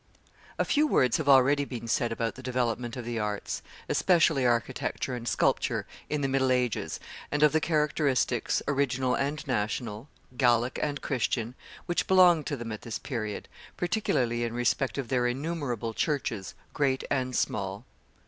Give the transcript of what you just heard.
A few words have already been said about the development of the arts, especially architecture and sculpture, in the middle ages, and of the characteristics, original and national, Gallic and Christian, which belonged to them at this period, particularly in respect of their innumerable churches, great and small.